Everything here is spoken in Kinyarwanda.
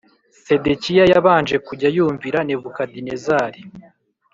Sedekiya yabanje kujya yumvira Nebukadinezari